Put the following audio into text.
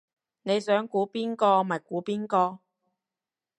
你想估邊個咪估邊個